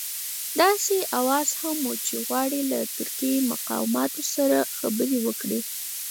داسې اوازه هم وه چې غواړي له ترکي مقاماتو سره خبرې وکړي.